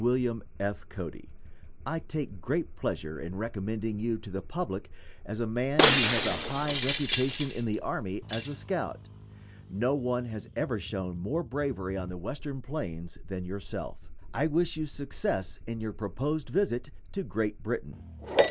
WILLIAM F. CODY: I take great pleasure in recommending you to the public as a man who has a high reputation in the army as a scout. No one has ever shown more bravery on the Western plains than yourself. I wish you success in your proposed visit to Great Britain.